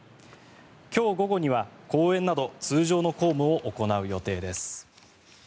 今日午後には講演など通常の公務を行う予定です。